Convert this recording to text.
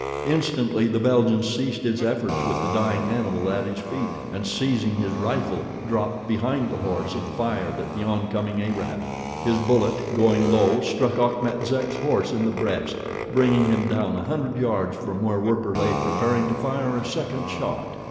Instantly the Belgian ceased his efforts with the dying animal at his feet, and seizing his rifle, dropped behind the horse and fired at the oncoming Arab. His bullet, going low, struck Achmet Zek's horse in the breast, bringing him down a hundred yards from where Werper lay preparing to fire a second shot.